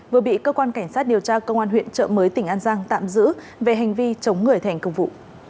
vừa bị cơ quan cảnh sát điều tra công an huyện trợ mới tỉnh an giang tạm giữ về hành vi chống người thành công vụ